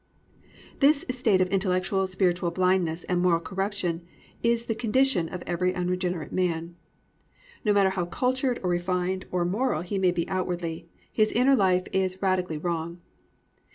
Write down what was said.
"+ This state of intellectual spiritual blindness and moral corruption is the condition of every unregenerate man. No matter how cultured or refined or moral he may be outwardly, his inner life is radically wrong.